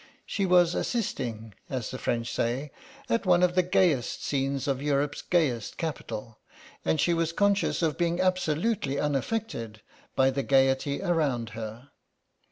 She was assisting, as the French say, at one of the gayest scenes of Europe's gayest capital, and she was conscious of being absolutely unaffected by the gaiety around her.